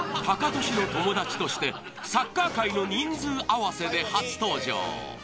タカトシの友達としてサッカー回の人数合わせで初登場。